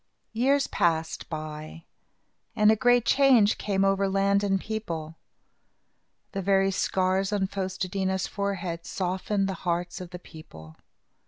Years passed by and a great change came over land and people. The very scars on Fos te dí na's forehead softened the hearts of the people.